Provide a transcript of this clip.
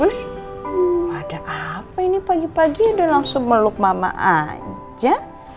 terus ada apa ini pagi pagi ada langsung meluk mama aja